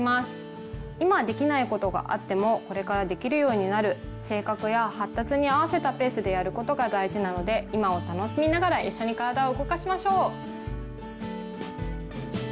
今できないことがあってもこれからできるようになる性格や発達に合わせたペースでやることが大事なので今を楽しみながらいっしょに体を動かしましょう！